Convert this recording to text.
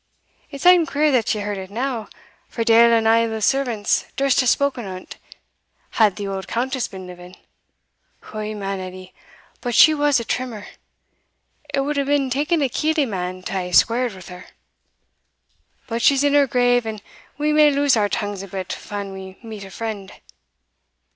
"It's e'en queer that ye heard it now, for deil ane o' the servants durst hae spoken o't had the auld Countess been living. Eh, man, Edie! but she was a trimmer it wad hae taen a skeely man to hae squared wi' her! But she's in her grave, and we may loose our tongues a bit fan we meet a friend.